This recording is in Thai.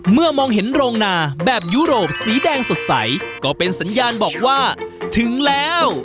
มองเห็นโรงนาแบบยุโรปสีแดงสดใสก็เป็นสัญญาณบอกว่าถึงแล้ว